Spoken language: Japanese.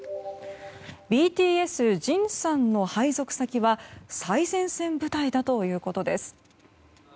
ＢＴＳ、ジンさんの配属先は最前線部隊だということです。